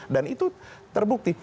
dan itu terbukti